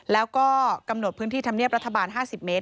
แล้วก็กำหนดพื้นที่ธรรมเนียบรัฐบาล๕๐เมตร